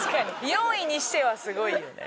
４位にしてはすごいよね。